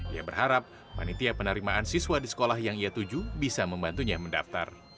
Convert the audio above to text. ia berharap panitia penerimaan siswa di sekolah yang ia tuju bisa membantunya mendaftar